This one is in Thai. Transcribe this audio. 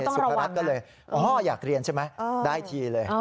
สุขรัฐก็เลยอยากเรียนใช่ไหมได้ทีเลย